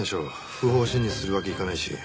不法侵入するわけにいかないし。